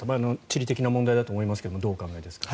地理的な問題だと思いますがどう考えますか。